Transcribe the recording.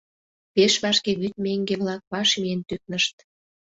Пеш вашке вӱд меҥге-влак ваш миен тӱкнышт.